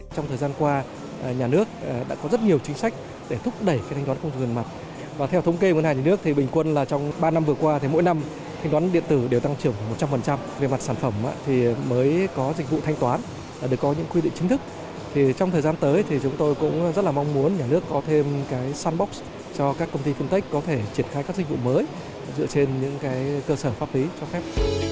trong thời gian tới chúng tôi cũng rất mong muốn nhà nước có thêm sandbox cho các công ty fintech có thể triển khai các dịch vụ mới dựa trên những cơ sở pháp lý cho phép